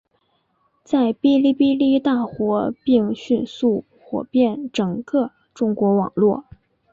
在哔哩哔哩大火并迅速火遍整个中国网络。